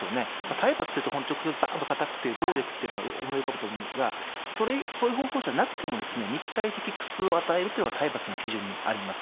体罰というと直接、ばーんとたたくっていう暴力っていうのが思い浮かぶと思うんですが、そういう方法じゃなくても、肉体的苦痛を与えるっていうのが体罰の基準にあります。